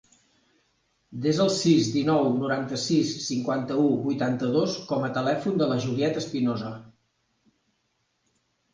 Desa el sis, dinou, noranta-sis, cinquanta-u, vuitanta-dos com a telèfon de la Juliette Espinosa.